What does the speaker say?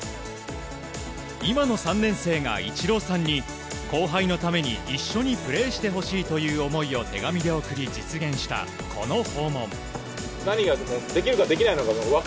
今の３年生がイチローさんに後輩のために一緒にプレーしてほしいという思いを手紙で送り実現した、この訪問。